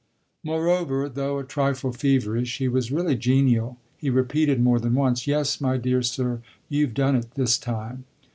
Moreover, though a trifle feverish, he was really genial; he repeated more than once, "Yes, my dear sir, you've done it this time."